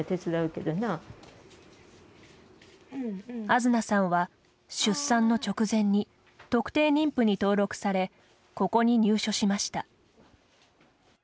あづなさんは出産の直前に特定妊婦に登録されここに入所しました。